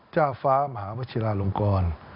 เจ้าฟ้ามหาวชิลาลงกร